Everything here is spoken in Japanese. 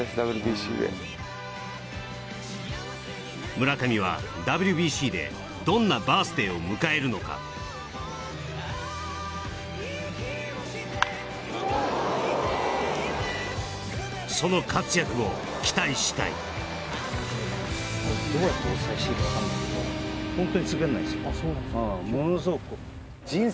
村上はＷＢＣでどんなバース・デイを迎えるのかその活躍を期待したいホント？